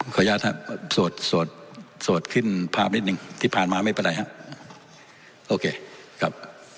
ขออนุญาตน่ะครับสวดขึ้นภาพนิดนึงที่ผ่านมามันไม่เป็นไรครับ